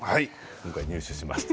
今回入手しました。